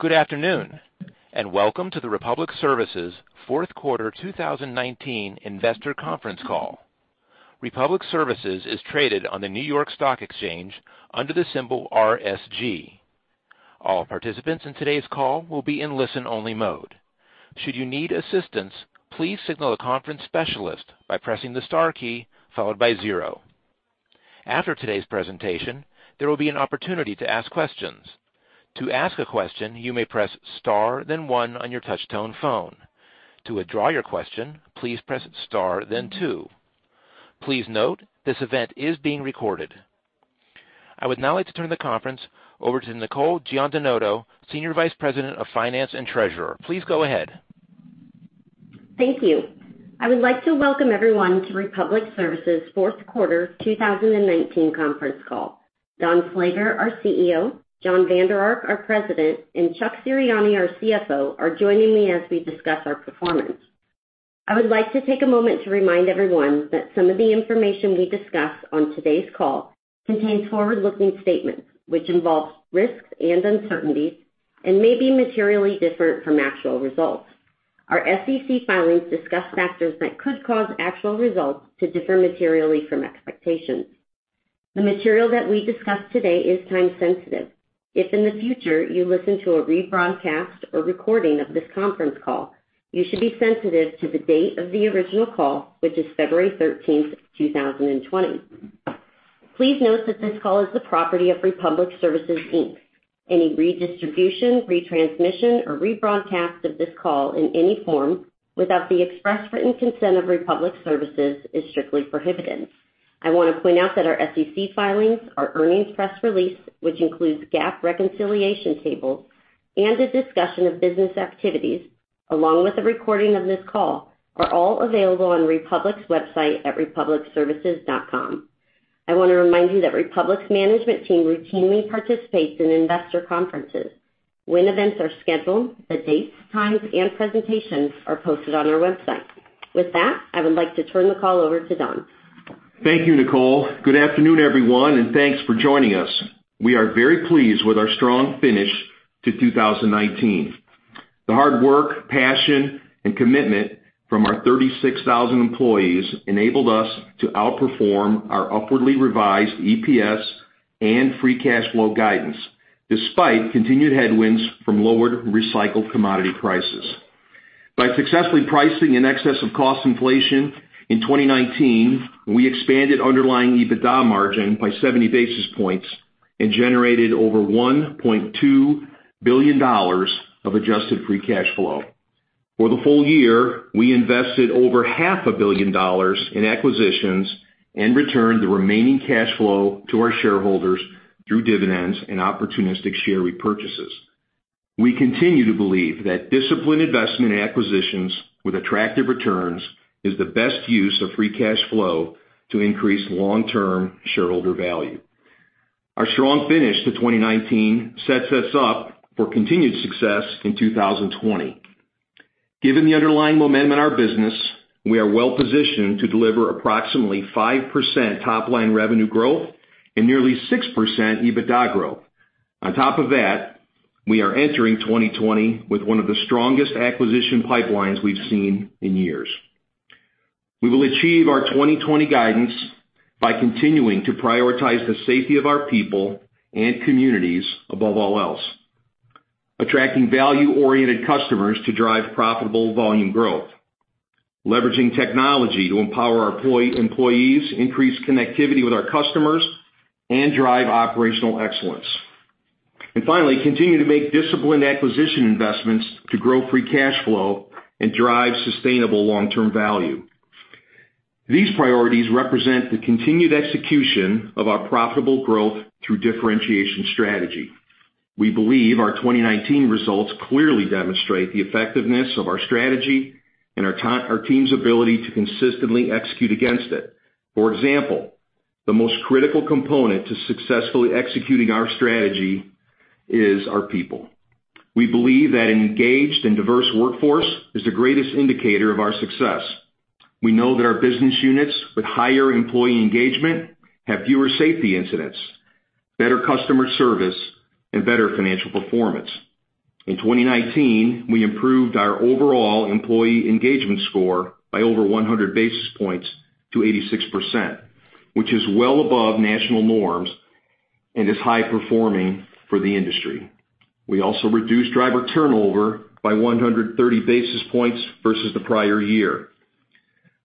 Good afternoon, and welcome to the Republic Services fourth quarter 2019 investor conference call. Republic Services is traded on the New York Stock Exchange under the symbol RSG. All participants in today's call will be in listen-only mode. Should you need assistance, please signal the conference specialist by pressing the star key followed by zero. After today's presentation, there will be an opportunity to ask questions. To ask a question, you may press star then one on your touch tone phone. To withdraw your question, please press star then two. Please note, this event is being recorded. I would now like to turn the conference over to Nicole Giandinoto, Senior Vice President of Finance and Treasurer. Please go ahead. Thank you. I would like to welcome everyone to Republic Services' fourth quarter 2019 conference call. Don Slager, our CEO, Jon Vander Ark, our President, and Chuck Serianni, our CFO, are joining me as we discuss our performance. I would like to take a moment to remind everyone that some of the information we discuss on today's call contains forward-looking statements which involve risks and uncertainties and may be materially different from actual results. Our SEC filings discuss factors that could cause actual results to differ materially from expectations. The material that we discuss today is time sensitive. If in the future you listen to a rebroadcast or recording of this conference call, you should be sensitive to the date of the original call, which is February 13, 2020. Please note that this call is the property of Republic Services, Inc. Any redistribution, retransmission, or rebroadcast of this call in any form without the express written consent of Republic Services is strictly prohibited. I want to point out that our SEC filings, our earnings press release, which includes GAAP reconciliation tables and a discussion of business activities, along with a recording of this call, are all available on Republic's website at republicservices.com. I want to remind you that Republic's management team routinely participates in investor conferences. When events are scheduled, the dates, times, and presentations are posted on our website. With that, I would like to turn the call over to Don. Thank you, Nicole. Good afternoon, everyone, and thanks for joining us. We are very pleased with our strong finish to 2019. The hard work, passion, and commitment from our 36,000 employees enabled us to outperform our upwardly revised EPS and free cash flow guidance, despite continued headwinds from lowered recycled commodity prices. By successfully pricing in excess of cost inflation in 2019, we expanded underlying EBITDA margin by 70 basis points and generated over $1.2 billion of adjusted free cash flow. For the full year, we invested over $500 million in acquisitions and returned the remaining cash flow to our shareholders through dividends and opportunistic share repurchases. We continue to believe that disciplined investment acquisitions with attractive returns is the best use of free cash flow to increase long-term shareholder value. Our strong finish to 2019 sets us up for continued success in 2020. Given the underlying momentum in our business, we are well-positioned to deliver approximately 5% top-line revenue growth and nearly 6% EBITDA growth. On top of that, we are entering 2020 with one of the strongest acquisition pipelines we've seen in years. We will achieve our 2020 guidance by continuing to prioritize the safety of our people and communities above all else. Attracting value-oriented customers to drive profitable volume growth. Leveraging technology to empower our employees, increase connectivity with our customers, and drive operational excellence. Finally, continue to make disciplined acquisition investments to grow free cash flow and drive sustainable long-term value. These priorities represent the continued execution of our profitable growth through differentiation strategy. We believe our 2019 results clearly demonstrate the effectiveness of our strategy and our team's ability to consistently execute against it. For example, the most critical component to successfully executing our strategy is our people. We believe that engaged and diverse workforce is the greatest indicator of our success. We know that our business units with higher employee engagement have fewer safety incidents, better customer service, and better financial performance. In 2019, we improved our overall employee engagement score by over 100 basis points to 86%, which is well above national norms and is high performing for the industry. We also reduced driver turnover by 130 basis points versus the prior year.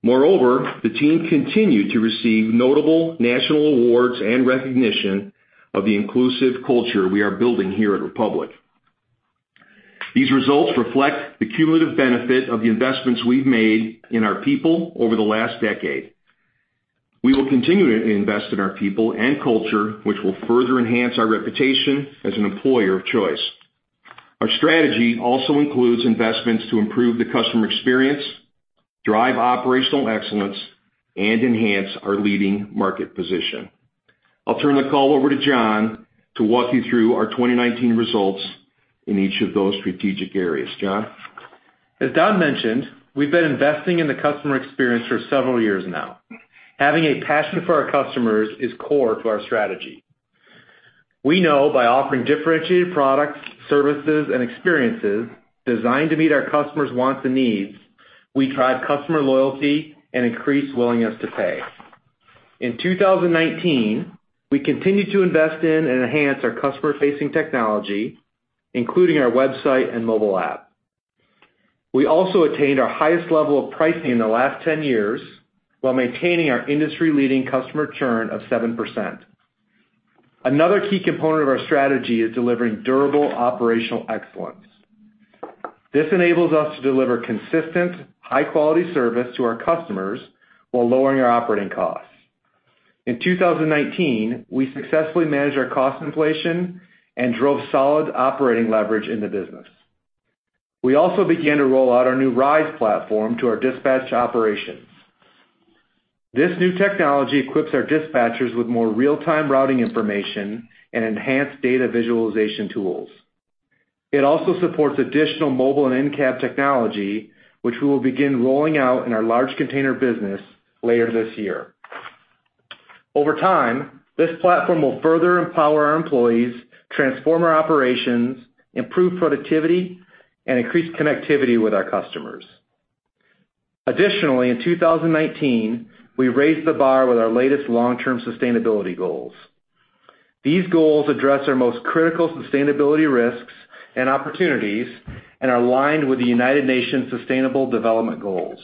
The team continued to receive notable national awards and recognition of the inclusive culture we are building here at Republic. These results reflect the cumulative benefit of the investments we've made in our people over the last decade. We will continue to invest in our people and culture, which will further enhance our reputation as an employer of choice. Our strategy also includes investments to improve the customer experience, drive operational excellence, and enhance our leading market position. I'll turn the call over to Jon to walk you through our 2019 results in each of those strategic areas. Jon? As Don mentioned, we've been investing in the customer experience for several years now. Having a passion for our customers is core to our strategy. We know by offering differentiated products, services, and experiences designed to meet our customers' wants and needs, we drive customer loyalty and increase willingness to pay. In 2019, we continued to invest in and enhance our customer-facing technology, including our website and mobile app. We also attained our highest level of pricing in the last 10 years while maintaining our industry-leading customer churn of 7%. Another key component of our strategy is delivering durable operational excellence. This enables us to deliver consistent, high-quality service to our customers while lowering our operating costs. In 2019, we successfully managed our cost inflation and drove solid operating leverage in the business. We also began to roll out our new RISE platform to our dispatch operations. This new technology equips our dispatchers with more real-time routing information and enhanced data visualization tools. It also supports additional mobile and in-cab technology, which we will begin rolling out in our large container business later this year. Over time, this platform will further empower our employees, transform our operations, improve productivity, and increase connectivity with our customers. Additionally, in 2019, we raised the bar with our latest long-term sustainability goals. These goals address our most critical sustainability risks and opportunities and are aligned with the United Nations Sustainable Development Goals.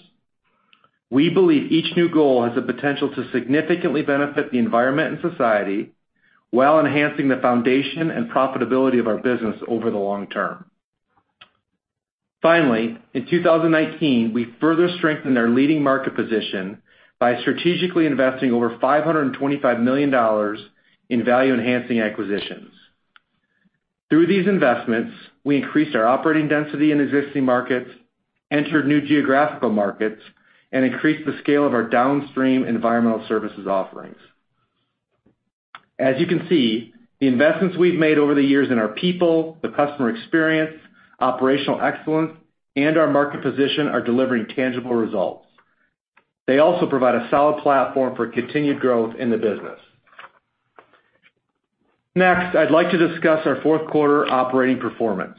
We believe each new goal has the potential to significantly benefit the environment and society while enhancing the foundation and profitability of our business over the long term. Finally, in 2019, we further strengthened our leading market position by strategically investing over $525 million in value-enhancing acquisitions. Through these investments, we increased our operating density in existing markets, entered new geographical markets, and increased the scale of our downstream environmental services offerings. As you can see, the investments we've made over the years in our people, the customer experience, operational excellence, and our market position are delivering tangible results. They also provide a solid platform for continued growth in the business. Next, I'd like to discuss our fourth quarter operating performance.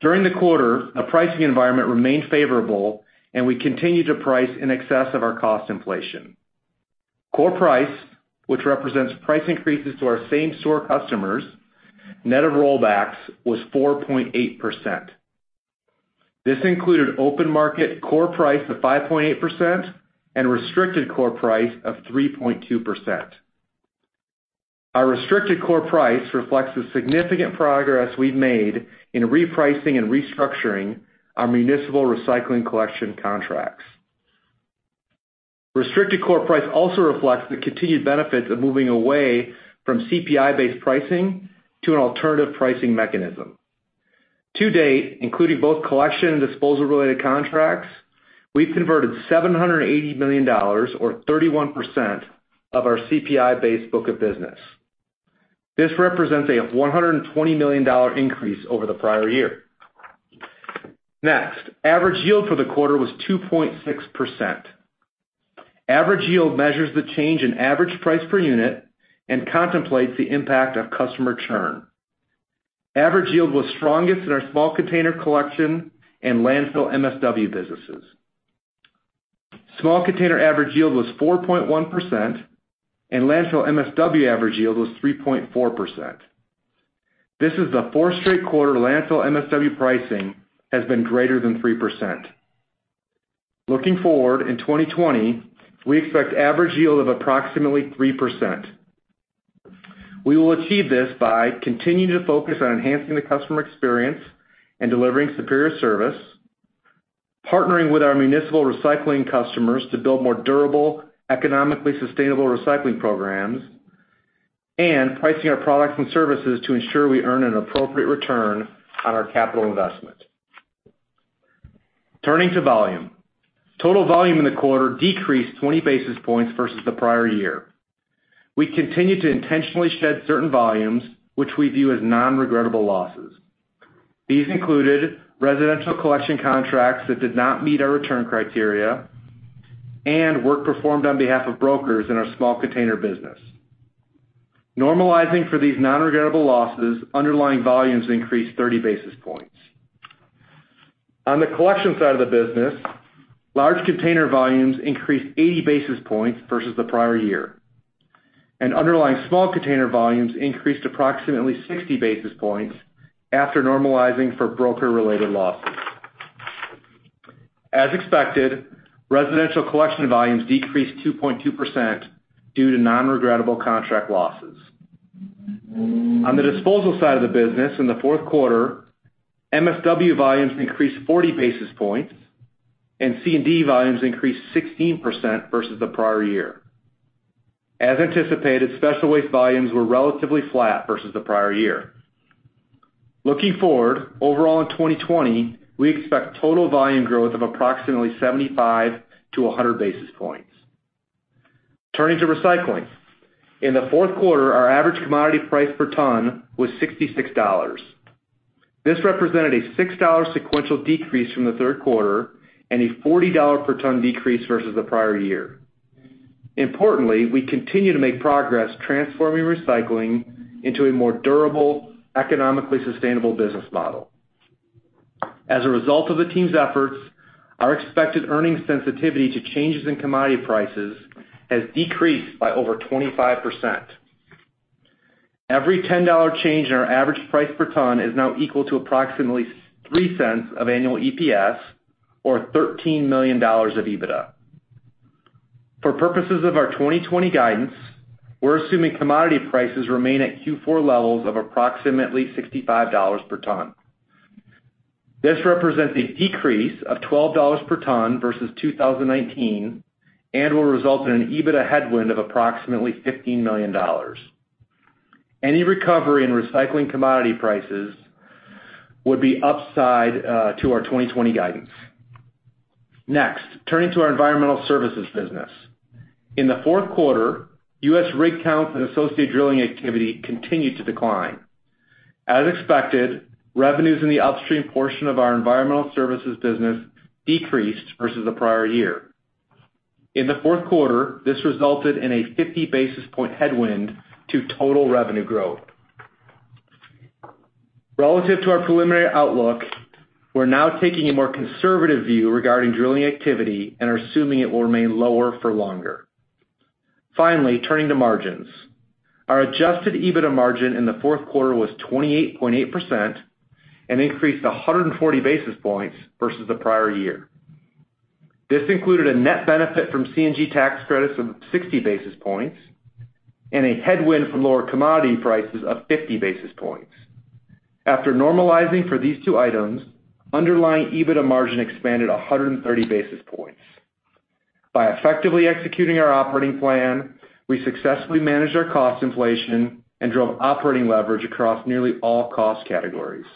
During the quarter, the pricing environment remained favorable, and we continued to price in excess of our cost inflation. Core price, which represents price increases to our same-store customers, net of rollbacks, was 4.8%. This included open market core price of 5.8% and restricted core price of 3.2%. Our restricted core price reflects the significant progress we've made in repricing and restructuring our municipal recycling collection contracts. Restricted core price also reflects the continued benefits of moving away from CPI-based pricing to an alternative pricing mechanism. To date, including both collection and disposal-related contracts, we've converted $780 million, or 31%, of our CPI-based book of business. This represents a $120 million increase over the prior year. Next, average yield for the quarter was 2.6%. Average yield measures the change in average price per unit and contemplates the impact of customer churn. Average yield was strongest in our small container collection and landfill MSW businesses. Small container average yield was 4.1%, and landfill MSW average yield was 3.4%. This is the fourth straight quarter landfill MSW pricing has been greater than 3%. Looking forward, in 2020, we expect average yield of approximately 3%. We will achieve this by continuing to focus on enhancing the customer experience and delivering superior service, partnering with our municipal recycling customers to build more durable, economically sustainable recycling programs, and pricing our products and services to ensure we earn an appropriate return on our capital investment. Turning to volume. Total volume in the quarter decreased 20 basis points versus the prior year. We continued to intentionally shed certain volumes, which we view as non-regrettable losses. These included residential collection contracts that did not meet our return criteria and work performed on behalf of brokers in our small container business. Normalizing for these non-regrettable losses, underlying volumes increased 30 basis points. On the collection side of the business, large container volumes increased 80 basis points versus the prior year, and underlying small container volumes increased approximately 60 basis points after normalizing for broker-related losses. As expected, residential collection volumes decreased 2.2% due to non-regrettable contract losses. On the disposal side of the business, in the fourth quarter, MSW volumes increased 40 basis points, and C&D volumes increased 16% versus the prior year. As anticipated, special waste volumes were relatively flat versus the prior year. Looking forward, overall in 2020, we expect total volume growth of approximately 75 to 100 basis points. Turning to recycling. In the fourth quarter, our average commodity price per ton was $66. This represented a $6 sequential decrease from the third quarter and a $40 per ton decrease versus the prior year. Importantly, we continue to make progress transforming recycling into a more durable, economically sustainable business model. As a result of the team's efforts, our expected earnings sensitivity to changes in commodity prices has decreased by over 25%. Every $10 change in our average price per ton is now equal to approximately $0.03 of annual EPS or $13 million of EBITDA. For purposes of our 2020 guidance, we're assuming commodity prices remain at Q4 levels of approximately $65 per ton. This represents a decrease of $12 per ton versus 2019 and will result in an EBITDA headwind of approximately $15 million. Any recovery in recycling commodity prices would be upside to our 2020 guidance. Next, turning to our environmental services business. In the fourth quarter, U.S. rig count and associate drilling activity continued to decline. As expected, revenues in the upstream portion of our environmental services business decreased versus the prior year. In the fourth quarter, this resulted in a 50-basis-point headwind to total revenue growth. Relative to our preliminary outlook, we're now taking a more conservative view regarding drilling activity and are assuming it will remain lower for longer. Finally, turning to margins. Our adjusted EBITDA margin in the fourth quarter was 28.8% and increased 140 basis points versus the prior year. This included a net benefit from CNG tax credits of 60 basis points and a headwind from lower commodity prices of 50 basis points. After normalizing for these two items, underlying EBITDA margin expanded 130 basis points. By effectively executing our operating plan, we successfully managed our cost inflation and drove operating leverage across nearly all cost categories.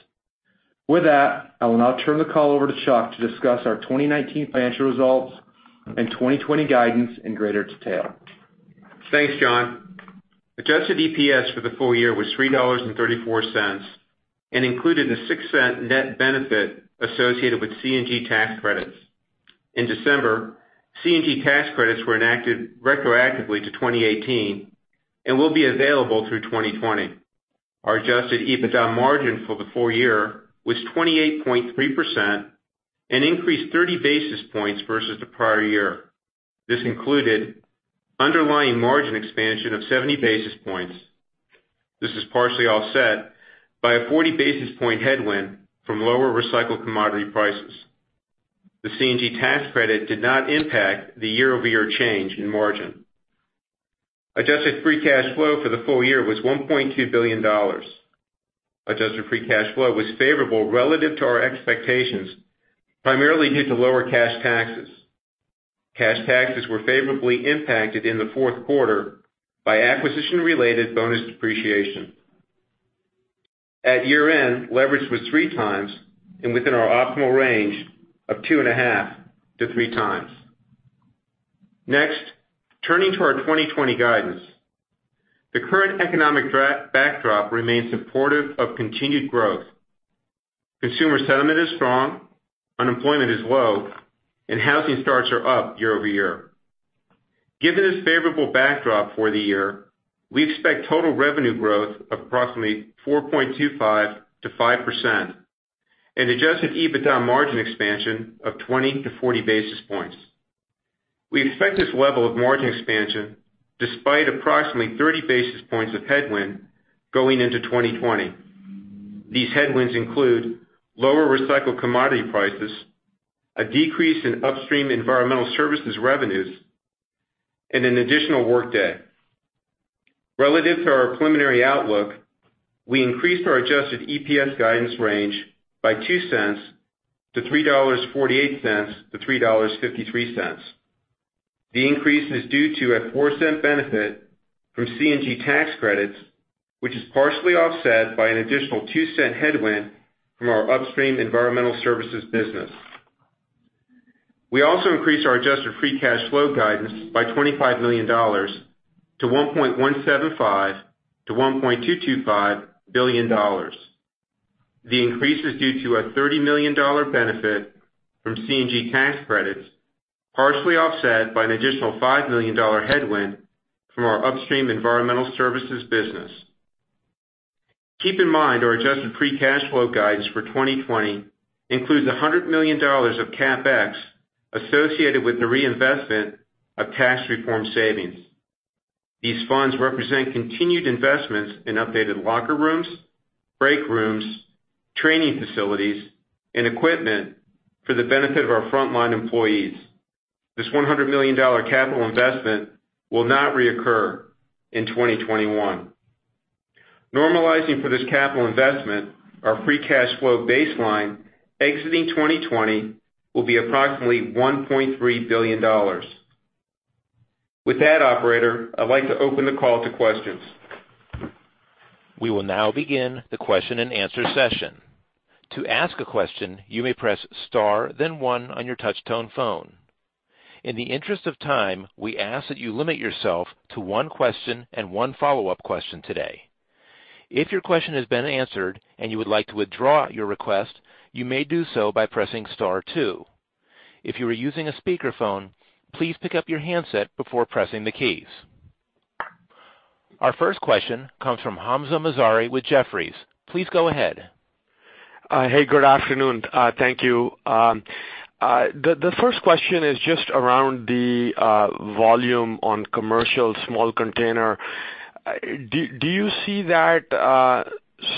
With that, I will now turn the call over to Chuck to discuss our 2019 financial results and 2020 guidance in greater detail. Thanks, Jon. Adjusted EPS for the full year was $3.34 and included a $0.06 net benefit associated with CNG tax credits. In December, CNG tax credits were enacted retroactively to 2018 and will be available through 2020. Our adjusted EBITDA margin for the full year was 28.3% and increased 30 basis points versus the prior year. This included underlying margin expansion of 70 basis points. This was partially offset by a 40-basis-point headwind from lower recycled commodity prices. The CNG tax credit did not impact the year-over-year change in margin. Adjusted free cash flow for the full year was $1.2 billion. Adjusted free cash flow was favorable relative to our expectations, primarily due to lower cash taxes. Cash taxes were favorably impacted in the fourth quarter by acquisition-related bonus depreciation. At year-end, leverage was 3x and within our optimal range of 2.5x-3x. Next, turning to our 2020 guidance. The current economic backdrop remains supportive of continued growth. Consumer sentiment is strong, unemployment is low, and housing starts are up year-over-year. Given this favorable backdrop for the year, we expect total revenue growth of approximately 4.25%-5% and adjusted EBITDA margin expansion of 20 to 40 basis points. We expect this level of margin expansion despite approximately 30 basis points of headwind going into 2020. These headwinds include lower recycled commodity prices, a decrease in upstream environmental services revenues, and an additional workday. Relative to our preliminary outlook, we increased our adjusted EPS guidance range by $0.02 to $3.48-$3.53. The increase is due to a $0.04 benefit from CNG tax credits, which is partially offset by an additional $0.02 headwind from our upstream environmental services business. We also increased our adjusted free cash flow guidance by $25 million to $1.175 billion-$1.225 billion. The increase is due to a $30 million benefit from CNG tax credits, partially offset by an additional $5 million headwind from our upstream environmental services business. Keep in mind our adjusted free cash flow guidance for 2020 includes $100 million of CapEx associated with the reinvestment of tax reform savings. These funds represent continued investments in updated locker rooms, break rooms, training facilities, and equipment for the benefit of our frontline employees. This $100 million capital investment will not reoccur in 2021. Normalizing for this capital investment, our free cash flow baseline exiting 2020 will be approximately $1.3 billion. With that, operator, I'd like to open the call to questions. We will now begin the question and answer session. To ask a question, you may press Star, then One on your touch-tone phone. In the interest of time, we ask that you limit yourself to one question and one follow-up question today. If your question has been answered and you would like to withdraw your request, you may do so by pressing Star Two. If you are using a speakerphone, please pick up your handset before pressing the keys. Our first question comes from Hamzah Mazari with Jefferies. Please go ahead. Hey, good afternoon. Thank you. The first question is just around the volume on commercial small container. Do you see that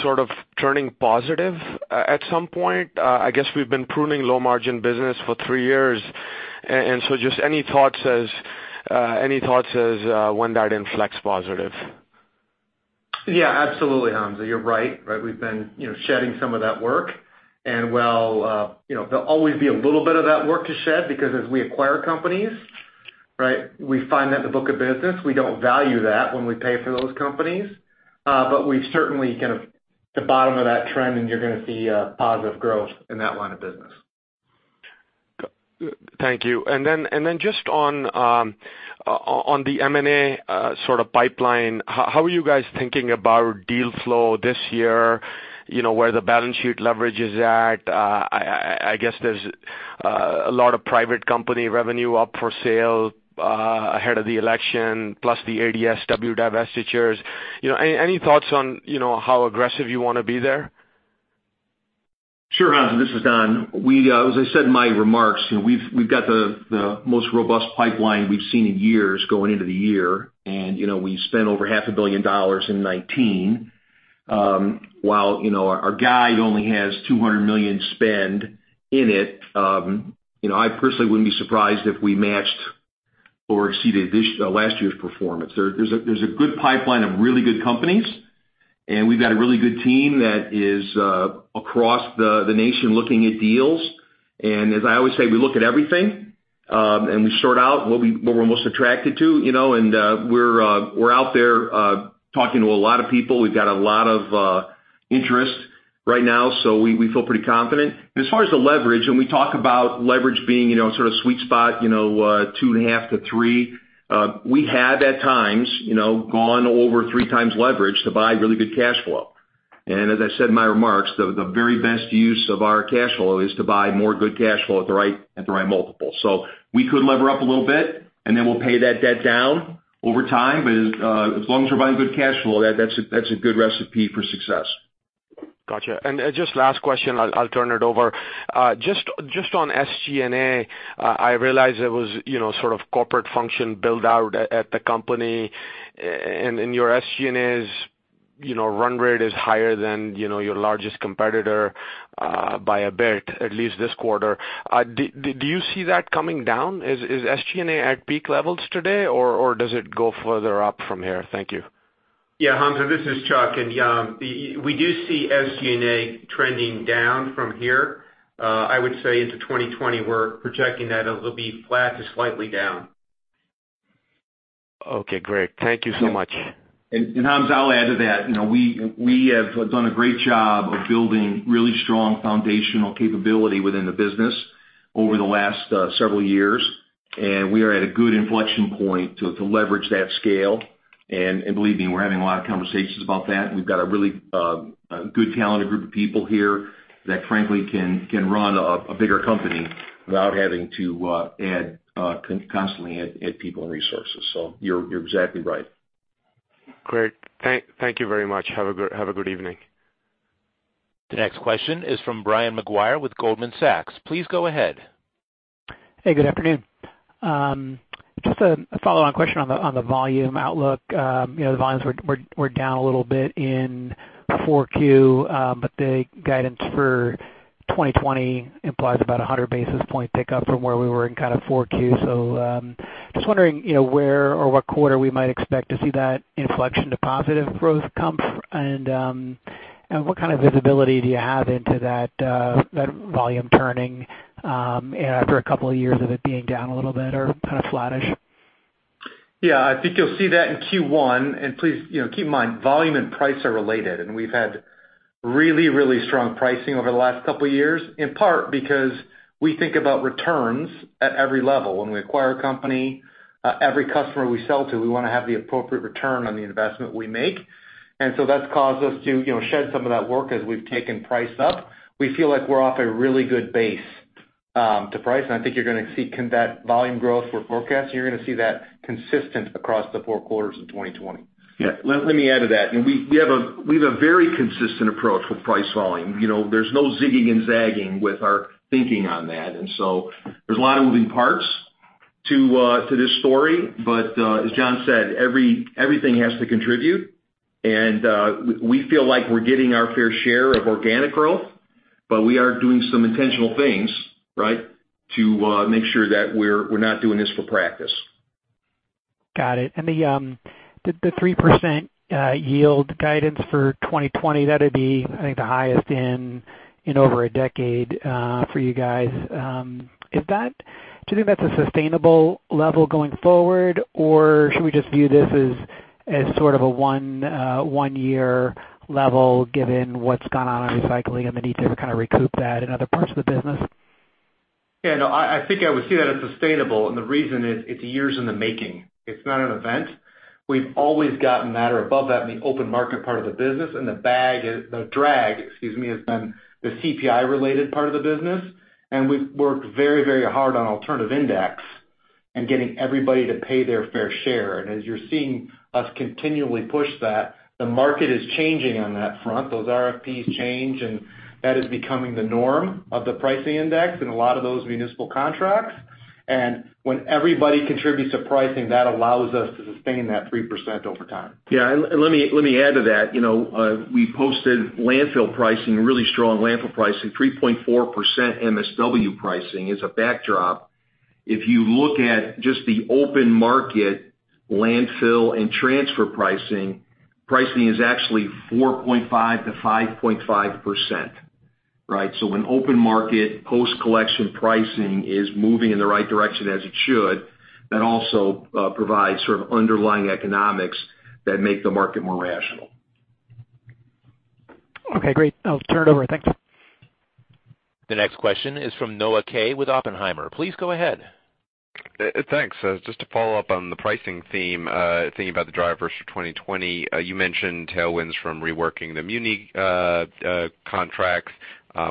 sort of turning positive at some point? I guess we've been pruning low-margin business for three years. Just any thoughts as when that inflects positive? Yeah, absolutely, Hamzah. You're right. We've been shedding some of that work. There'll always be a little bit of that work to shed because as we acquire companies, we find that the book of business, we don't value that when we pay for those companies. We've certainly kind of at the bottom of that trend, and you're going to see a positive growth in that line of business. Thank you. Just on the M&A sort of pipeline, how are you guys thinking about deal flow this year? Where the balance sheet leverage is at? I guess there's a lot of private company revenue up for sale ahead of the election, plus the ADSW divestitures. Any thoughts on how aggressive you want to be there? Sure, Hamzah. This is Don. As I said in my remarks, we've got the most robust pipeline we've seen in years going into the year. We spent over $500 million in 2019. While our guide only has $200 million spend in it, I personally wouldn't be surprised if we matched or exceeded last year's performance. There's a good pipeline of really good companies, and we've got a really good team that is across the nation looking at deals. As I always say, we look at everything, and we sort out what we're most attracted to. We're out there talking to a lot of people. We've got a lot of interest right now, so we feel pretty confident. As far as the leverage, and we talk about leverage being sort of sweet spot, 2.5x-3x. We have, at times, gone over 3x leverage to buy really good cash flow. As I said in my remarks, the very best use of our cash flow is to buy more good cash flow at the right multiple. We could lever up a little bit, and then we'll pay that debt down over time. As long as we're buying good cash flow, that's a good recipe for success. Got you. Just last question, I'll turn it over. Just on SG&A, I realize it was sort of corporate function build-out at the company, and your SG&A's run rate is higher than your largest competitor by a bit, at least this quarter. Do you see that coming down? Is SG&A at peak levels today, or does it go further up from here? Thank you. Yeah, Hamzah, this is Chuck, and we do see SG&A trending down from here. I would say into 2020, we're projecting that it'll be flat to slightly down. Okay, great. Thank you so much. Hamzah, I'll add to that. We have done a great job of building really strong foundational capability within the business over the last several years, and we are at a good inflection point to leverage that scale. Believe me, we're having a lot of conversations about that. We've got a really good talented group of people here that frankly can run a bigger company without having to constantly add people and resources. You're exactly right. Great. Thank you very much. Have a good evening. The next question is from Brian Maguire with Goldman Sachs. Please go ahead. Hey, good afternoon. Just a follow-on question on the volume outlook. The volumes were down a little bit in 4Q, but the guidance for 2020 implies about 100 basis point pickup from where we were in kind of 4Q. Just wondering where or what quarter we might expect to see that inflection to positive growth come, and what kind of visibility do you have into that volume turning after a couple of years of it being down a little bit or kind of flattish? Yeah, I think you'll see that in Q1. Please keep in mind, volume and price are related, we've had really, really strong pricing over the last couple of years, in part because we think about returns at every level. When we acquire a company, every customer we sell to, we want to have the appropriate return on the investment we make. That's caused us to shed some of that work as we've taken price up. We feel like we're off a really good base to price, I think you're going to see that volume growth we're forecasting, you're going to see that consistent across the four quarters of 2020. Yeah. Let me add to that. We have a very consistent approach with price volume. There's no zigging and zagging with our thinking on that. There's a lot of moving parts to this story. As Jon said, everything has to contribute, and we feel like we're getting our fair share of organic growth, but we are doing some intentional things to make sure that we're not doing this for practice. Got it. The 3% yield guidance for 2020, that'd be, I think, the highest in over a decade for you guys. Do you think that's a sustainable level going forward, or should we just view this as sort of a one-year level, given what's gone on in recycling and the need to kind of recoup that in other parts of the business. Yeah, no, I think I would see that as sustainable, and the reason is, it's years in the making. It's not an event. We've always gotten that or above that in the open market part of the business. The drag, excuse me, has been the CPI-related part of the business, and we've worked very hard on alternative index and getting everybody to pay their fair share. As you're seeing us continually push that, the market is changing on that front. Those RFPs change, and that is becoming the norm of the pricing index in a lot of those municipal contracts. When everybody contributes to pricing, that allows us to sustain that 3% over time. Let me add to that. We posted landfill pricing, really strong landfill pricing, 3.4% MSW pricing as a backdrop. If you look at just the open market landfill and transfer pricing is actually 4.5%-5.5%, right. When open market post-collection pricing is moving in the right direction as it should, that also provides sort of underlying economics that make the market more rational. Okay, great. I'll turn it over. Thanks. The next question is from Noah Kaye with Oppenheimer. Please go ahead. Thanks. Just to follow up on the pricing theme, thinking about the drivers for 2020, you mentioned tailwinds from reworking the muni contracts,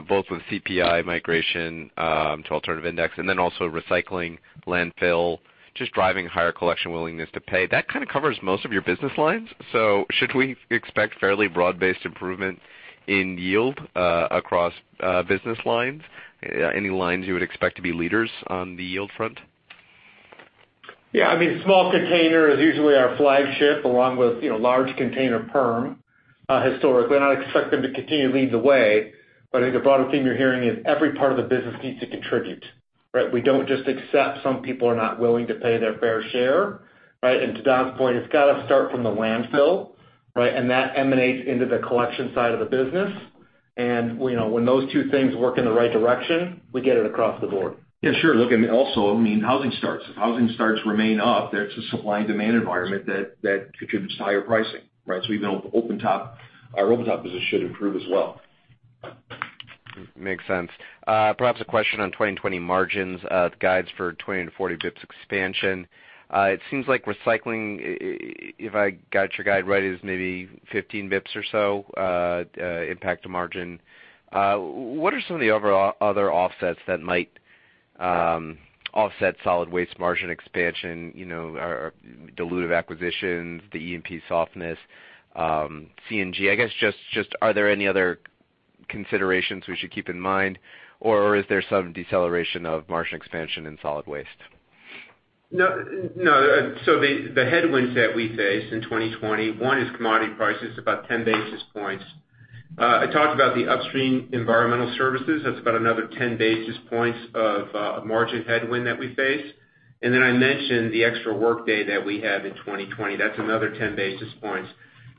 both with CPI migration to alternative index and then also recycling, landfill, just driving higher collection willingness to pay. That kind of covers most of your business lines. Should we expect fairly broad-based improvement in yield across business lines? Any lines you would expect to be leaders on the yield front? Yeah, I mean, small container is usually our flagship along with large container perm, historically. I expect them to continue to lead the way. I think the broader theme you're hearing is every part of the business needs to contribute, right? We don't just accept some people are not willing to pay their fair share, right? To Don's point, it's got to start from the landfill, right? That emanates into the collection side of the business. When those two things work in the right direction, we get it across the board. Yeah, sure. Look, I mean, housing starts. If housing starts remain up, that's a supply and demand environment that contributes to higher pricing, right? Our open top business should improve as well. Makes sense. Perhaps a question on 2020 margins. The guides for 20 to 40 basis points expansion. It seems like recycling, if I got your guide right, is maybe 15 basis points or so impact to margin. What are some of the other offsets that might offset solid waste margin expansion, our dilutive acquisitions, the E&P softness, CNG? I guess, just are there any other considerations we should keep in mind, or is there some deceleration of margin expansion in solid waste? No. The headwinds that we face in 2020, one is commodity prices, about 10 basis points. I talked about the upstream environmental services. That's about another 10 basis points of margin headwind that we face. I mentioned the extra work day that we had in 2020. That's another 10 basis points.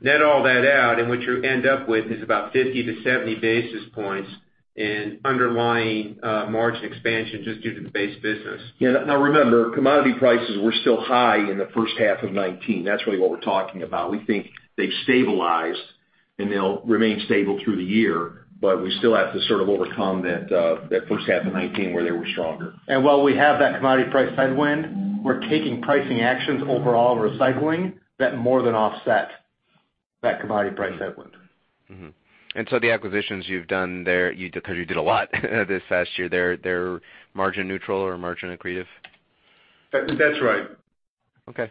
Net all that out, and what you end up with is about 50 to 70 basis points in underlying margin expansion just due to the base business. Yeah. Now remember, commodity prices were still high in the first half of 2019. That's really what we're talking about. We think they've stabilized, and they'll remain stable through the year, but we still have to sort of overcome that first half of 2019 where they were stronger. While we have that commodity price headwind, we're taking pricing actions overall in recycling that more than offset that commodity price headwind. The acquisitions you've done there, because you did a lot this past year, they're margin neutral or margin accretive? That's right. Okay.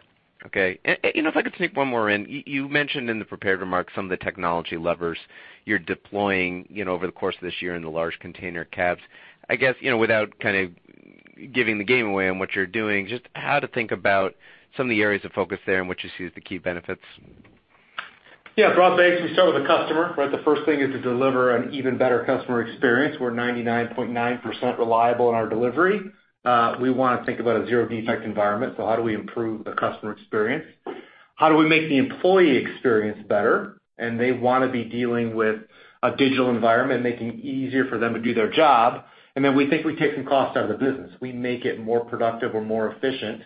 If I could sneak one more in. You mentioned in the prepared remarks some of the technology levers you're deploying over the course of this year in the large container cabs. I guess, without kind of giving the game away on what you're doing, just how to think about some of the areas of focus there and what you see as the key benefits? Yeah, broad-based, we start with the customer, right? The first thing is to deliver an even better customer experience. We're 99.9% reliable in our delivery. We want to think about a zero-defect environment, so how do we improve the customer experience? How do we make the employee experience better? They want to be dealing with a digital environment, making it easier for them to do their job. We think we take some cost out of the business. We make it more productive or more efficient,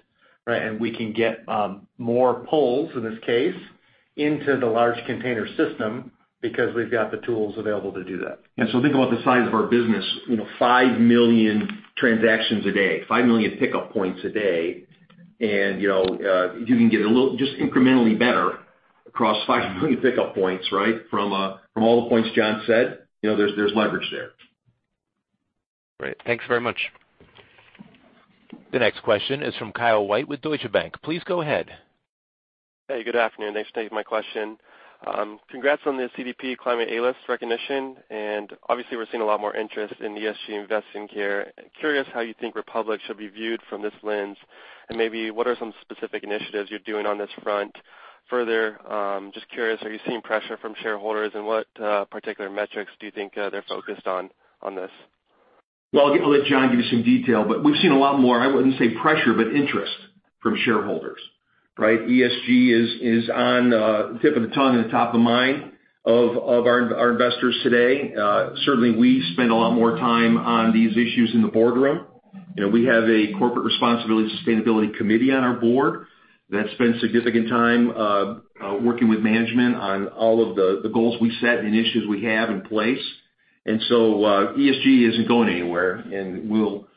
right? We can get more pulls, in this case, into the large container system because we've got the tools available to do that. Think about the size of our business, 5 million transactions a day, 5 million pickup points a day, and if you can get just incrementally better across 5 million pickup points, right, from all the points Jon said, there's leverage there. Great. Thanks very much. The next question is from Kyle White with Deutsche Bank. Please go ahead. Hey, good afternoon. Thanks for taking my question. Congrats on the CDP Climate A List recognition, and obviously, we're seeing a lot more interest in ESG investing here. I'm curious how you think Republic should be viewed from this lens and maybe what are some specific initiatives you're doing on this front. I'm just curious, are you seeing pressure from shareholders and what particular metrics do you think they're focused on this? Well, I'll let Jon give you some detail. We've seen a lot more, I wouldn't say pressure, but interest from shareholders, right? ESG is on the tip of the tongue and the top of mind of our investors today. Certainly, we spend a lot more time on these issues in the boardroom. We have a Corporate Responsibility Sustainability Committee on our board that spends significant time working with management on all of the goals we set and the issues we have in place. ESG isn't going anywhere, and we'll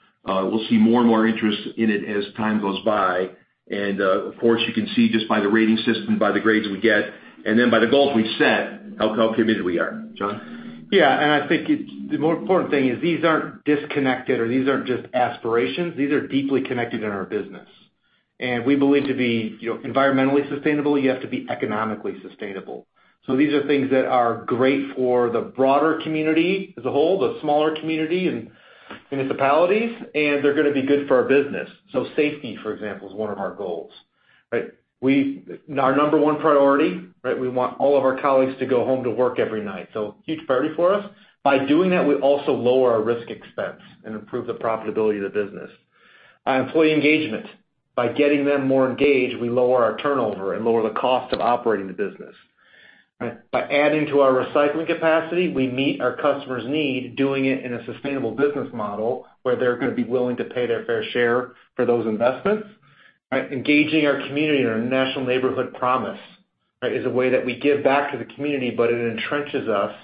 see more and more interest in it as time goes by. Of course, you can see just by the rating system, by the grades we get, and then by the goals we set, how committed we are. Jon? I think the more important thing is these aren't disconnected, or these aren't just aspirations. These are deeply connected in our business. We believe to be environmentally sustainable, you have to be economically sustainable. These are things that are great for the broader community as a whole, the smaller community and municipalities, and they're going to be good for our business. Safety, for example, is one of our goals, right? Our number one priority, we want all of our colleagues to go home to work every night. Huge priority for us. By doing that, we also lower our risk expense and improve the profitability of the business. On employee engagement, by getting them more engaged, we lower our turnover and lower the cost of operating the business. By adding to our recycling capacity, we meet our customer's need, doing it in a sustainable business model, where they're going to be willing to pay their fair share for those investments, right? Engaging our community in our National Neighborhood Promise is a way that we give back to the community, but it entrenches us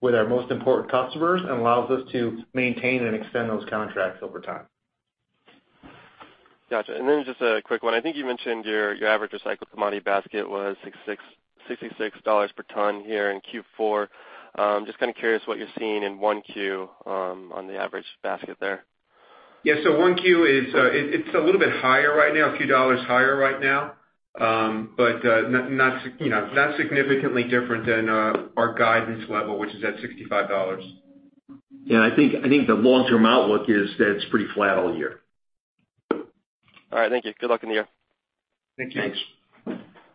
with our most important customers and allows us to maintain and extend those contracts over time. Got you. Just a quick one. I think you mentioned your average recycled commodity basket was $66 per ton here in Q4. I'm just kind of curious what you're seeing in 1Q on the average basket there. Yeah. 1Q, it's a little bit higher right now, a few dollars higher right now. Not significantly different than our guidance level, which is at $65. Yeah, I think the long-term outlook is that it's pretty flat all year. All right. Thank you. Good luck in the year. Thank you. Thanks.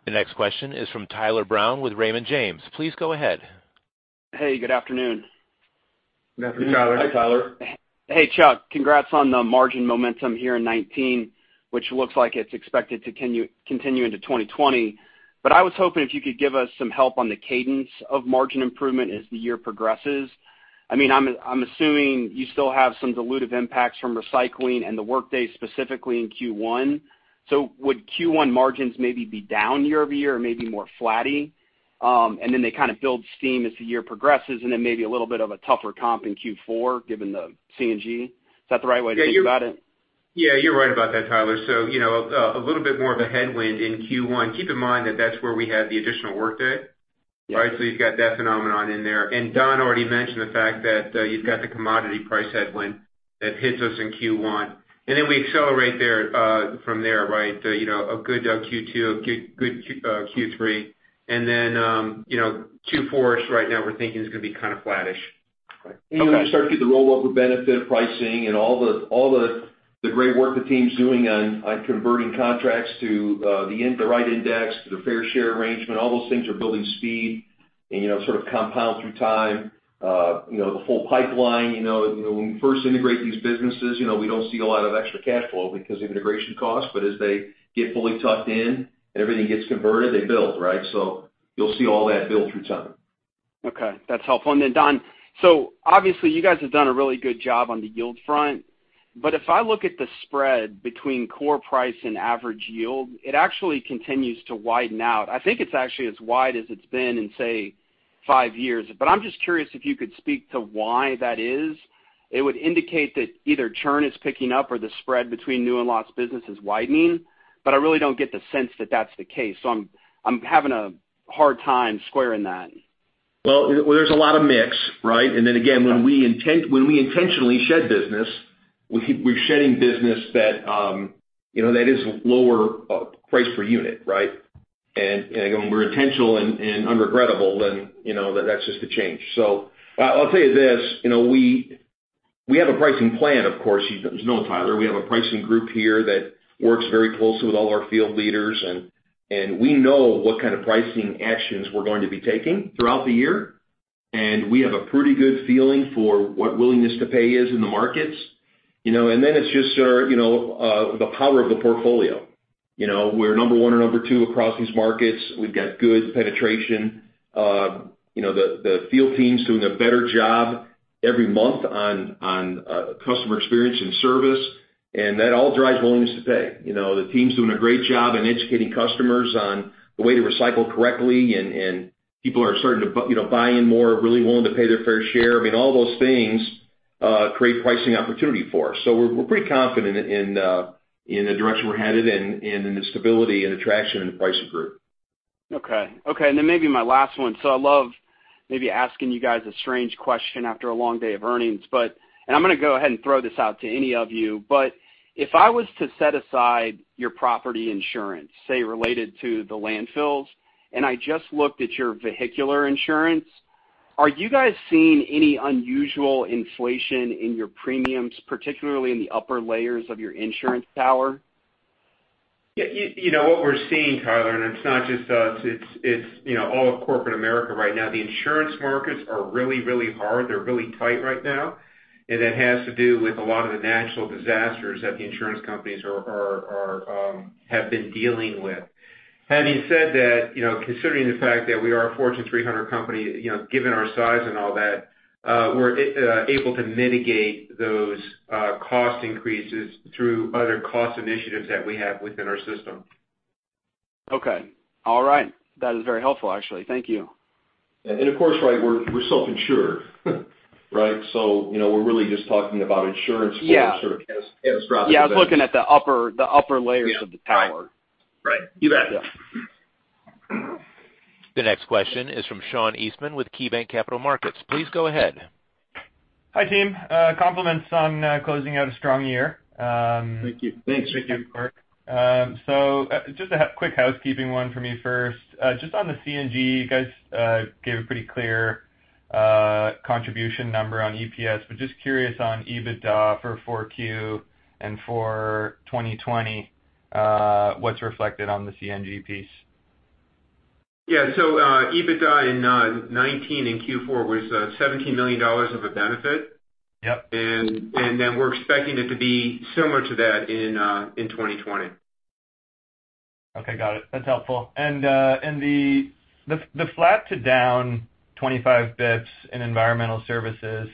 The next question is from Tyler Brown with Raymond James. Please go ahead. Hey, good afternoon. Good afternoon, Tyler. Hi, Tyler. Hey, Chuck. Congrats on the margin momentum here in 2019, which looks like it's expected to continue into 2020. I was hoping if you could give us some help on the cadence of margin improvement as the year progresses. I'm assuming you still have some dilutive impacts from recycling and the workday specifically in Q1. Would Q1 margins maybe be down year-over-year or maybe more flatty, and then they kind of build steam as the year progresses, and then maybe a little bit of a tougher comp in Q4, given the CNG? Is that the right way to think about it? Yeah, you're right about that, Tyler. A little bit more of a headwind in Q1. Keep in mind that that's where we had the additional workday. Yeah. You've got that phenomenon in there. Don already mentioned the fact that you've got the commodity price headwind that hits us in Q1. We accelerate from there, right? A good Q2, a good Q3, and then Q4 right now we're thinking is going to be kind of flattish. Okay. Then when you start to get the roll-up of benefit pricing and all the great work the team's doing on converting contracts to the right index, to the fair share arrangement, all those things are building speed and sort of compound through time. The whole pipeline, when we first integrate these businesses, we don't see a lot of extra cash flow because of integration costs, but as they get fully tucked in and everything gets converted, they build, right? You'll see all that build through time. Okay. That's helpful. Don, obviously you guys have done a really good job on the yield front, but if I look at the spread between core price and average yield, it actually continues to widen out. I think it's actually as wide as it's been in, say, five years. I'm just curious if you could speak to why that is. It would indicate that either churn is picking up or the spread between new and lost business is widening. I really don't get the sense that that's the case. I'm having a hard time squaring that. Well, there's a lot of mix, right? Again, when we intentionally shed business, we're shedding business that is lower price per unit, right? When we're intentional and unregrettable, then that's just a change. I'll tell you this, we have a pricing plan, of course, as you know, Tyler. We have a pricing group here that works very closely with all our field leaders, and we know what kind of pricing actions we're going to be taking throughout the year, and we have a pretty good feeling for what willingness to pay is in the markets. It's just the power of the portfolio. We're number one or number two across these markets. We've got good penetration. The field team's doing a better job every month on customer experience and service, and that all drives willingness to pay. The team's doing a great job in educating customers on the way to recycle correctly. People are starting to buy in more, really willing to pay their fair share. All those things create pricing opportunity for us. We're pretty confident in the direction we're headed and in the stability and attraction in the pricing group. Okay. Then maybe my last one. I love maybe asking you guys a strange question after a long day of earnings, and I'm going to go ahead and throw this out to any of you. If I was to set aside your property insurance, say, related to the landfills, and I just looked at your vehicular insurance, are you guys seeing any unusual inflation in your premiums, particularly in the upper layers of your insurance tower? What we're seeing, Tyler, it's not just us, it's all of corporate America right now, the insurance markets are really, really hard. They're really tight right now, it has to do with a lot of the natural disasters that the insurance companies have been dealing with. Having said that, considering the fact that we are a Fortune 300 company, given our size and all that, we're able to mitigate those cost increases through other cost initiatives that we have within our system. Okay. All right. That is very helpful actually. Thank you. Of course, we're self-insured, so we're really just talking about insurance- Yeah. for sort of catastrophic events. Yeah, I was looking at the upper layers. Yeah. of the tower. Right. You bet. Yeah. The next question is from Sean Eastman with KeyBanc Capital Markets. Please go ahead. Hi, team. Compliments on closing out a strong year. Thank you. Thanks. Thank you. Just a quick housekeeping one for me first. Just on the CNG, you guys gave a pretty clear contribution number on EPS, but just curious on EBITDA for 4Q, and for 2020, what's reflected on the CNG piece? Yeah. EBITDA in 2019 in Q4 was $17 million of a benefit. Yep. We're expecting it to be similar to that in 2020. Okay. Got it. That's helpful. The flat to down 25 basis points in environmental services,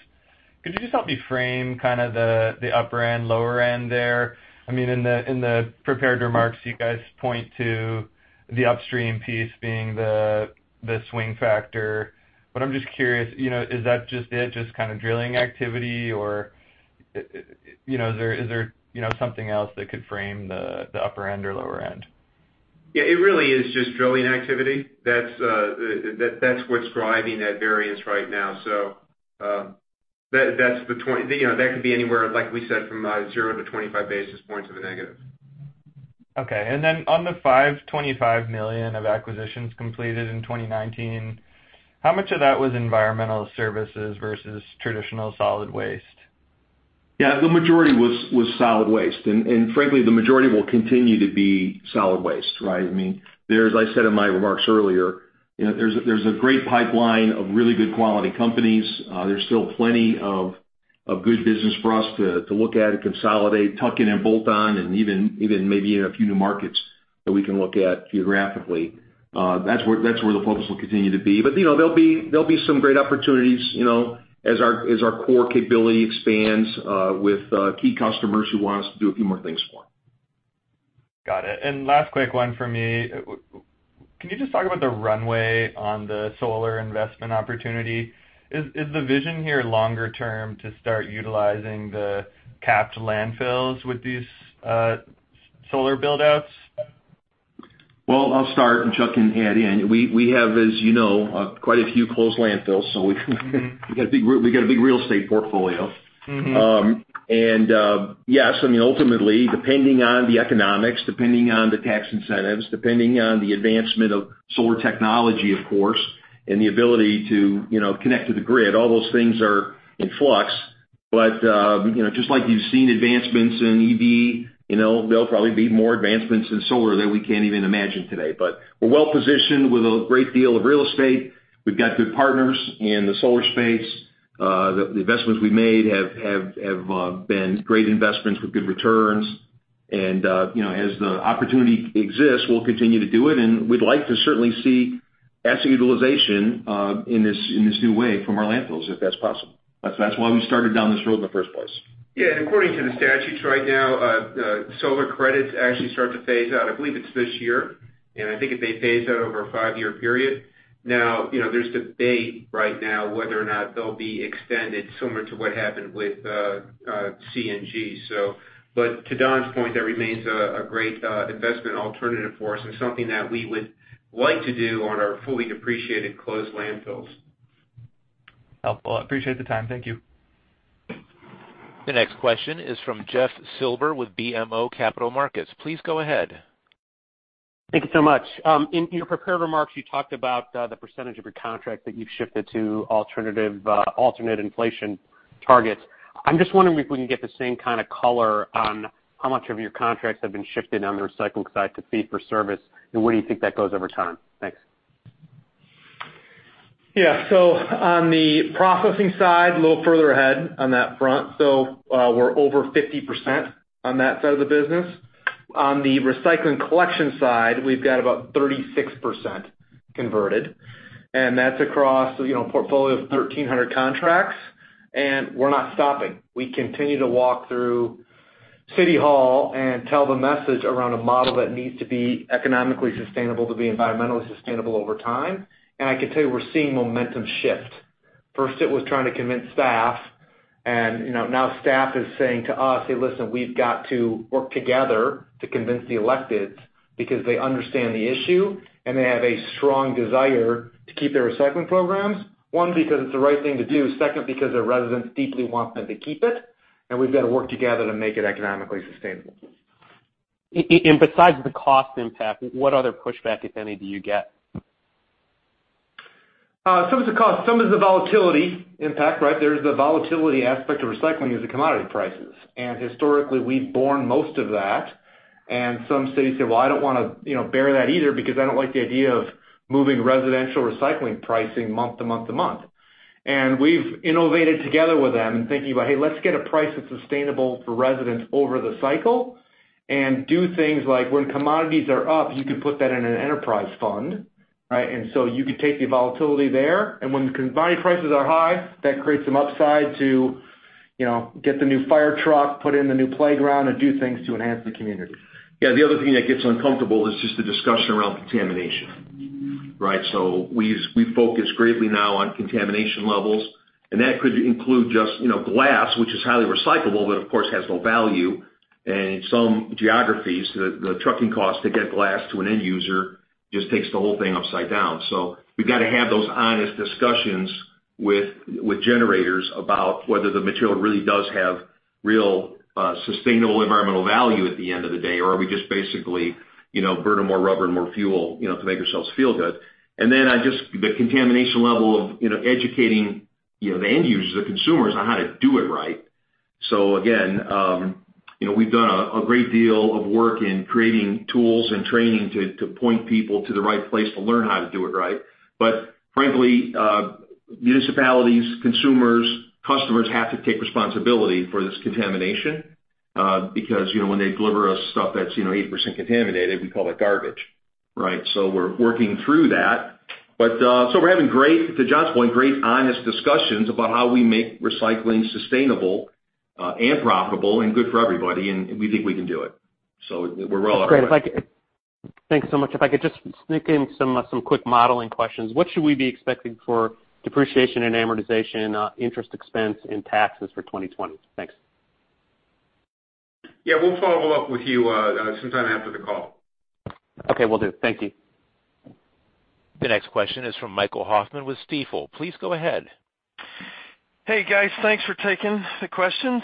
could you just help me frame kind of the upper end, lower end there? In the prepared remarks, you guys point to the upstream piece being the swing factor, but I'm just curious, is that just it, just kind of drilling activity or is there something else that could frame the upper end or lower end? Yeah, it really is just drilling activity. That's what's driving that variance right now. That could be anywhere, like we said, from 0 to 25 basis points of a negative. Okay. Then on the $525 million of acquisitions completed in 2019, how much of that was environmental services versus traditional solid waste? Yeah. The majority was solid waste. Frankly, the majority will continue to be solid waste, right? As I said in my remarks earlier, there's a great pipeline of really good quality companies. There's still plenty of good business for us to look at and consolidate, tuck in, and bolt on, and even maybe in a few new markets that we can look at geographically. That's where the focus will continue to be. There'll be some great opportunities, as our core capability expands with key customers who want us to do a few more things for them. Got it. Last quick one for me. Can you just talk about the runway on the solar investment opportunity? Is the vision here longer term to start utilizing the capped landfills with these solar build-outs? Well, I'll start and Chuck can add in. We have, as you know, quite a few closed landfills, so we got a big real estate portfolio. Yes, ultimately, depending on the economics, depending on the tax incentives, depending on the advancement of solar technology, of course, and the ability to connect to the grid, all those things are in flux. Just like you've seen advancements in EV, there'll probably be more advancements in solar that we can't even imagine today. We're well-positioned with a great deal of real estate. We've got good partners in the solar space. The investments we've made have been great investments with good returns. As the opportunity exists, we'll continue to do it, and we'd like to certainly see asset utilization in this new way from our landfills, if that's possible. That's why we started down this road in the first place. According to the statutes right now, solar credits actually start to phase out, I believe it's this year, and I think they phase out over a five-year period. Now, there's debate right now whether or not they'll be extended similar to what happened with CNG. To Don's point, that remains a great investment alternative for us and something that we would like to do on our fully depreciated closed landfills. Helpful. I appreciate the time. Thank you. The next question is from Jeff Silber with BMO Capital Markets. Please go ahead. Thank you so much. In your prepared remarks, you talked about the percentage of your contract that you've shifted to alternate inflation targets. I'm just wondering if we can get the same kind of color on how much of your contracts have been shifted on the recycling side to fee for service, and where do you think that goes over time? Thanks. Yeah. On the processing side, a little further ahead on that front, so we're over 50% on that side of the business. On the recycling collection side, we've got about 36% converted, and that's across a portfolio of 1,300 contracts, and we're not stopping. We continue to walk through city hall and tell the message around a model that needs to be economically sustainable, to be environmentally sustainable over time. I can tell you, we're seeing momentum shift. First, it was trying to convince staff, and now staff is saying to us, "Hey, listen, we've got to work together to convince the elected," because they understand the issue, and they have a strong desire to keep their recycling programs. One, because it's the right thing to do. Second, because their residents deeply want them to keep it, and we've got to work together to make it economically sustainable. Besides the cost impact, what other pushback, if any, do you get? Some is the cost, some is the volatility impact, right? There's the volatility aspect of recycling is the commodity prices. Historically, we've borne most of that, and some cities say, "Well, I don't want to bear that either because I don't like the idea of moving residential recycling pricing month to month to month." We've innovated together with them in thinking about, "Hey, let's get a price that's sustainable for residents over the cycle and do things like when commodities are up, you could put that in an enterprise fund," right? You could take the volatility there, and when commodity prices are high, that creates some upside to. Get the new firetruck, put in the new playground, and do things to enhance the community. The other thing that gets uncomfortable is just the discussion around contamination. We focus greatly now on contamination levels, and that could include just glass, which is highly recyclable, but of course has no value. In some geographies, the trucking cost to get glass to an end user just takes the whole thing upside down. We've got to have those honest discussions with generators about whether the material really does have real sustainable environmental value at the end of the day, or are we just basically burning more rubber and more fuel to make ourselves feel good. The contamination level of educating the end users, the consumers, on how to do it right. Again, we've done a great deal of work in creating tools and training to point people to the right place to learn how to do it right. Frankly, municipalities, consumers, customers have to take responsibility for this contamination, because when they deliver us stuff that's 80% contaminated, we call that garbage. We're working through that. We're having great, to Jon's point, great, honest discussions about how we make recycling sustainable and profitable and good for everybody, and we think we can do it. We're well on our way. Great. Thanks so much. If I could just sneak in some quick modeling questions. What should we be expecting for depreciation and amortization, interest expense, and taxes for 2020? Thanks. Yeah. We'll follow up with you sometime after the call. Okay, will do. Thank you. The next question is from Michael Hoffman with Stifel. Please go ahead. Hey, guys. Thanks for taking the questions.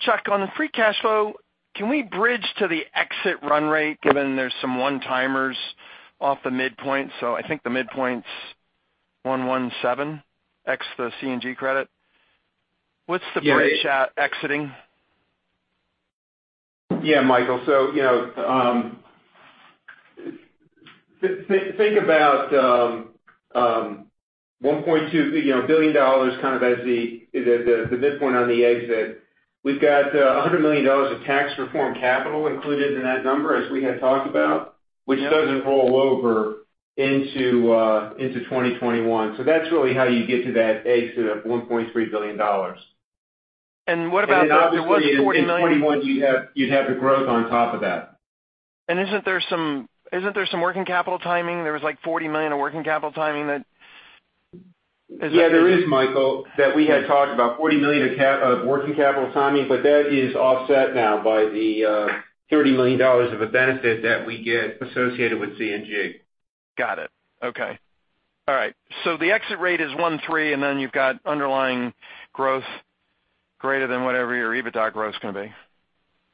Chuck, on the free cash flow, can we bridge to the exit run rate, given there's some one-timers off the midpoint? I think the midpoint's $117, ex the CNG credit. What's the bridge at exiting? Yeah, Michael. Think about $1.2 billion kind of as the midpoint on the exit. We've got $100 million of tax reform capital included in that number, as we had talked about. Yeah. which doesn't roll over into 2021. That's really how you get to that exit of $1.3 billion. And what about the other- Then obviously, in 2021, you'd have the growth on top of that. Isn't there some working capital timing? There was like $40 million of working capital timing. Yeah, there is, Michael, that we had talked about, $40 million of working capital timing, but that is offset now by the $30 million of a benefit that we get associated with CNG. Got it. Okay. All right. The exit rate is 1/3, you've got underlying growth greater than whatever your EBITDA growth's going to be.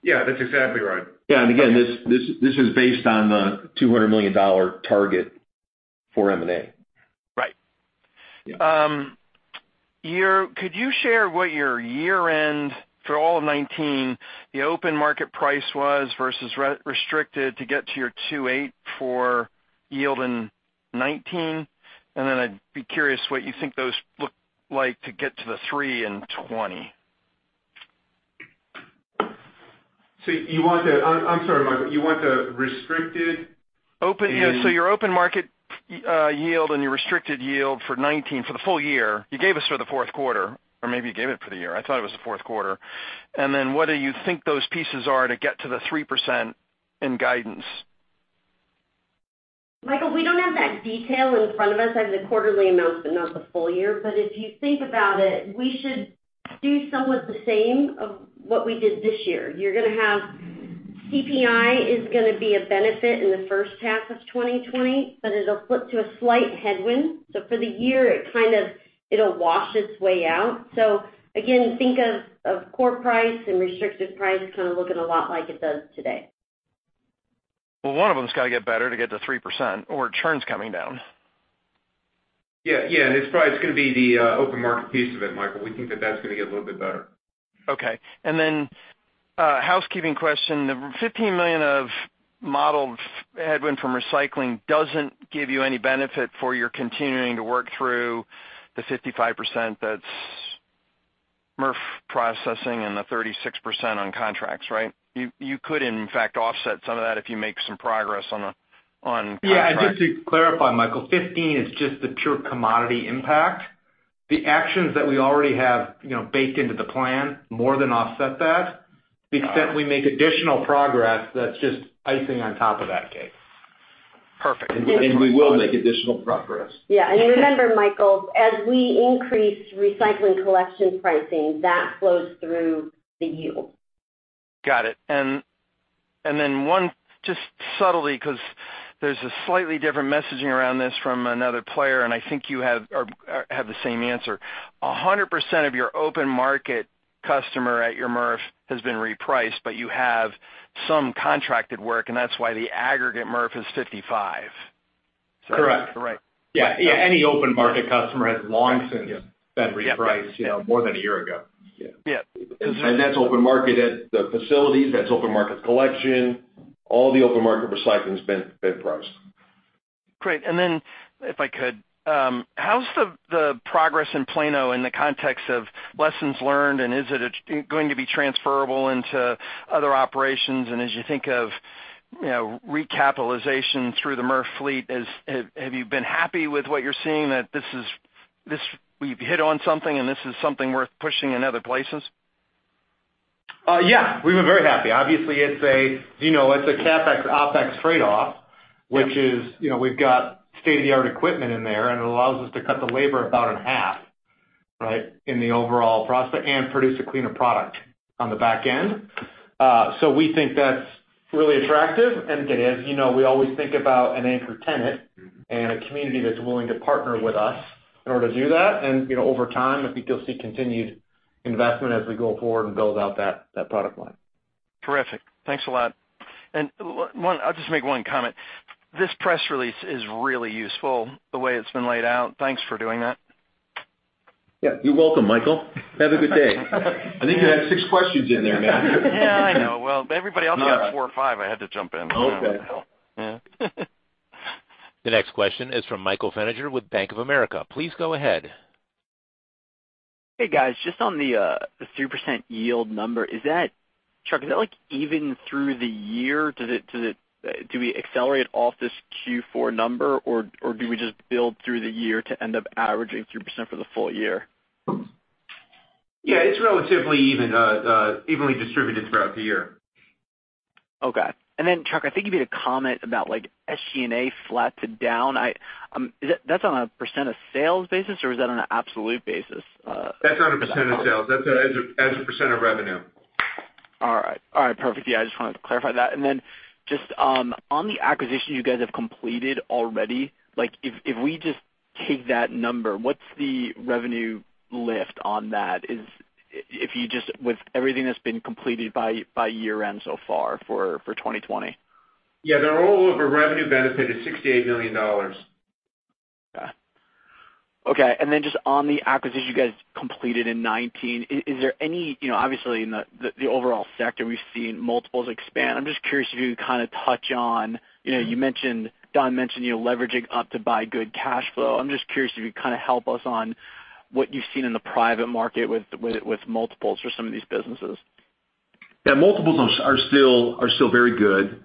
Yeah, that's exactly right. Yeah. Again, this is based on the $200 million target for M&A. Right. Yeah. Could you share what your year-end, for all of 2019, the open market price was versus restricted to get to your 2.8% for yield in 2019? Then I'd be curious what you think those look like to get to the 3% in 2020. I'm sorry, Michael, you want the restricted and? Your open market yield and your restricted yield for 2019, for the full year. You gave us for the fourth quarter, or maybe you gave it for the year. I thought it was the fourth quarter. What do you think those pieces are to get to the 3% in guidance? Michael, we don't have that detail in front of us. I have the quarterly amounts, not the full year. If you think about it, we should do somewhat the same of what we did this year. You're going to have CPI is going to be a benefit in the first half of 2020, but it'll flip to a slight headwind. For the year, it'll wash its way out. Again, think of core price and restricted price kind of looking a lot like it does today. Well, one of them's got to get better to get to 3%, or churn's coming down. Yeah. It's probably going to be the open market piece of it, Michael. We think that that's going to get a little bit better. Okay. Housekeeping question, the $15 million of modeled headwind from recycling doesn't give you any benefit for your continuing to work through the 55% that's MRF processing and the 36% on contracts, right? You could, in fact, offset some of that if you make some progress on contracts. Yeah, just to clarify, Michael, $15 million is just the pure commodity impact. The actions that we already have baked into the plan more than offset that. Got it. The extent we make additional progress, that's just icing on top of that cake. Perfect. We will make additional progress. Yeah. Remember, Michael, as we increase recycling collection pricing, that flows through the yield. Got it. One just subtly, because there's a slightly different messaging around this from another player, and I think you have the same answer. 100% of your open market customer at your MRF has been repriced, but you have some contracted work, and that's why the aggregate MRF is 55%. Is that correct? Correct. Yeah. Any open market customer has long since been repriced more than a year ago. Yeah. That's open market at the facilities, that's open market collection. All the open market recycling's been priced. Great. Then if I could, how's the progress in Plano in the context of lessons learned, and is it going to be transferable into other operations? As you think of recapitalization through the MRF fleet, have you been happy with what you're seeing, that we've hit on something and this is something worth pushing in other places? Yeah, we've been very happy. Obviously, it's a CapEx/OpEx trade-off, which is, we've got state-of-the-art equipment in there, and it allows us to cut the labor about in half, right? In the overall process, and produce a cleaner product on the back end. We think that's really attractive. Again, we always think about an anchor tenant and a community that's willing to partner with us in order to do that. Over time, I think you'll see continued investment as we go forward and build out that product line. Terrific. Thanks a lot. I'll just make one comment. This press release is really useful the way it's been laid out. Thanks for doing that. Yeah. You're welcome, Michael. Have a good day. I think you had six questions in there, man. Yeah, I know. Well, everybody else got four or five, I had to jump in. Okay. Yeah. The next question is from Michael Feniger with Bank of America. Please go ahead. Hey, guys. Just on the 3% yield number. Chuck, is that like even through the year? Do we accelerate off this Q4 number? Do we just build through the year to end up averaging 3% for the full year? Yeah, it's relatively evenly distributed throughout the year. Okay. Chuck, I think you made a comment about like SG&A flat to down. That's on a percent of sales basis or is that on an absolute basis? That's on a percent of sales. That's as a % of revenue. All right. Perfect. Yeah, I just wanted to clarify that. Then just on the acquisition you guys have completed already, if we just take that number, what's the revenue lift on that? With everything that's been completed by year-end so far for 2020. Yeah. The overall revenue benefit is $68 million. Okay. Just on the acquisition you guys completed in 2019, obviously, in the overall sector, we've seen multiples expand. I'm just curious if you could kind of touch on, Don mentioned leveraging up to buy good cash flow. I'm just curious if you could kind of help us on what you've seen in the private market with multiples for some of these businesses. Yeah. Multiples are still very good.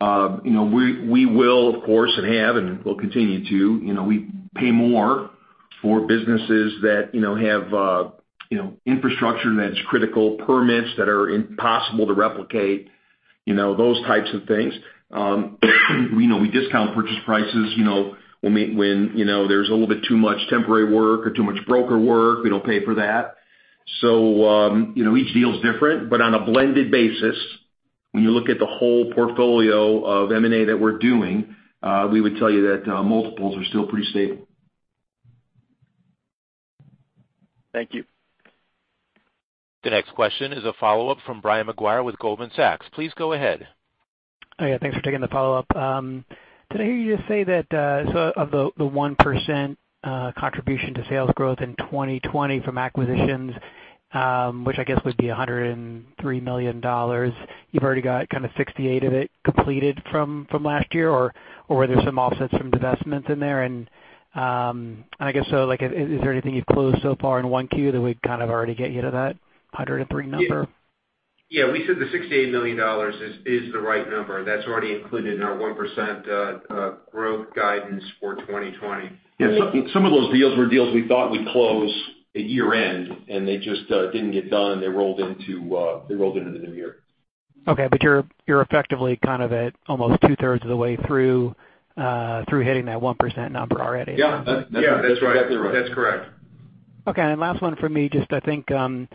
We will of course, and have, and will continue to pay more for businesses that have infrastructure that is critical, permits that are impossible to replicate, those types of things. We discount purchase prices when there's a little bit too much temporary work or too much broker work, we don't pay for that. Each deal is different, but on a blended basis, when you look at the whole portfolio of M&A that we're doing, we would tell you that multiples are still pretty stable. Thank you. The next question is a follow-up from Brian Maguire with Goldman Sachs. Please go ahead. Yeah. Thanks for taking the follow-up. Did I hear you say that, of the 1% contribution to sales growth in 2020 from acquisitions, which I guess would be $103 million, you've already got kind of $68 million of it completed from last year? Were there some offsets from divestments in there? I guess, is there anything you've closed so far in 1Q that would kind of already get you to that $103 million number? We said the $68 million is the right number. That's already included in our 1% growth guidance for 2020. Yeah. Some of those deals were deals we thought we'd close at year-end, and they just didn't get done. They rolled into the new year. Okay. You're effectively kind of at almost 2/3 of the way through hitting that 1% number already. Yeah. That's right. That's correct. Okay. Last one from me, just I think, some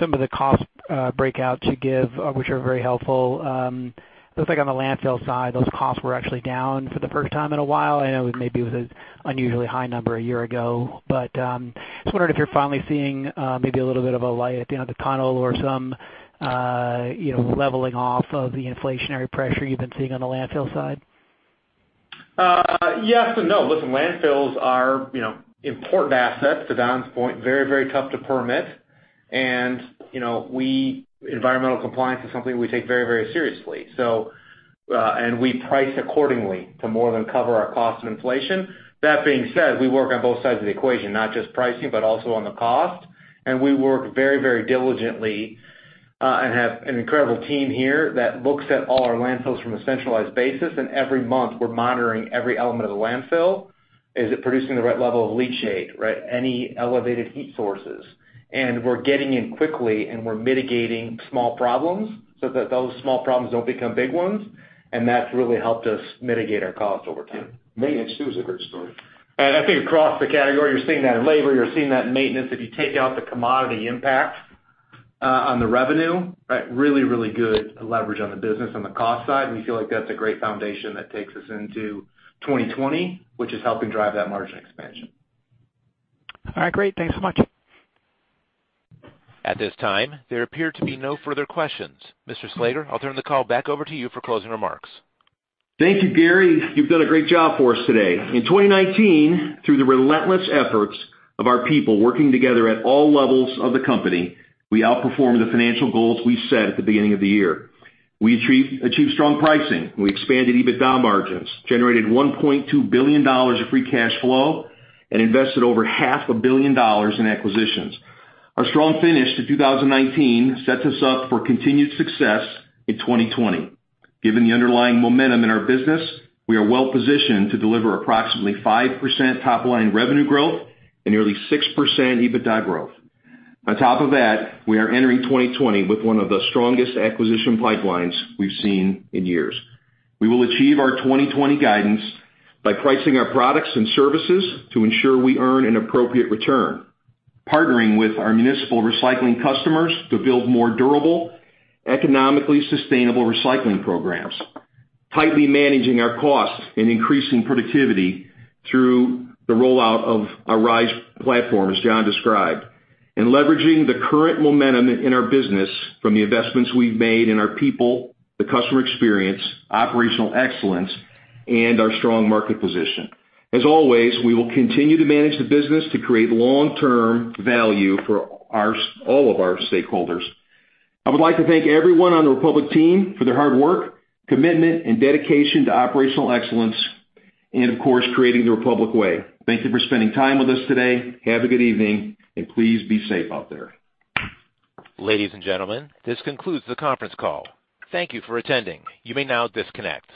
of the cost breakouts you give, which are very helpful. Looks like on the landfill side, those costs were actually down for the first time in a while. I know it maybe was an unusually high number a year ago. Just wondered if you're finally seeing maybe a little bit of a light at the end of the tunnel or some leveling off of the inflationary pressure you've been seeing on the landfill side. Yes and no. Listen, landfills are important assets, to Don's point. Very, very tough to permit. Environmental compliance is something we take very, very seriously. We price accordingly to more than cover our cost of inflation. That being said, we work on both sides of the equation, not just pricing, but also on the cost. We work very, very diligently, and have an incredible team here that looks at all our landfills from a centralized basis. Every month, we're monitoring every element of the landfill. Is it producing the right level of leachate, right? Any elevated heat sources. We're getting in quickly, and we're mitigating small problems so that those small problems don't become big ones. That's really helped us mitigate our cost over time. Yeah. Maintenance too is a great story. I think across the category, you're seeing that in labor, you're seeing that in maintenance. If you take out the commodity impact on the revenue, right? Really good leverage on the business on the cost side. We feel like that's a great foundation that takes us into 2020, which is helping drive that margin expansion. All right, great. Thanks so much. At this time, there appear to be no further questions. Mr. Slager, I'll turn the call back over to you for closing remarks. Thank you, Gary. You've done a great job for us today. In 2019, through the relentless efforts of our people working together at all levels of the company, we outperformed the financial goals we set at the beginning of the year. We achieved strong pricing. We expanded EBITDA margins, generated $1.2 billion of free cash flow, and invested over $500 million in acquisitions. Our strong finish to 2019 sets us up for continued success in 2020. Given the underlying momentum in our business, we are well-positioned to deliver approximately 5% top-line revenue growth and nearly 6% EBITDA growth. On top of that, we are entering 2020 with one of the strongest acquisition pipelines we've seen in years. We will achieve our 2020 guidance by pricing our products and services to ensure we earn an appropriate return, partnering with our municipal recycling customers to build more durable, economically sustainable recycling programs, tightly managing our costs and increasing productivity through the rollout of our RISE platform, as Jon described, and leveraging the current momentum in our business from the investments we've made in our people, the customer experience, operational excellence, and our strong market position. As always, we will continue to manage the business to create long-term value for all of our stakeholders. I would like to thank everyone on the Republic team for their hard work, commitment, and dedication to operational excellence, and of course, creating the Republic way. Thank you for spending time with us today. Have a good evening, and please be safe out there. Ladies and gentlemen, this concludes the conference call. Thank you for attending. You may now disconnect.